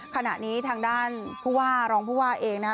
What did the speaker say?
ขณะนี้ทางด้านผู้ว่ารองผู้ว่าเองนะฮะ